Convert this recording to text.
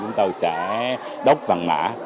chúng tôi sẽ đốt vàng mạ